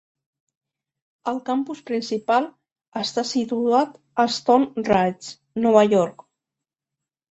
El campus principal està situat a Stone Ridge, Nova York.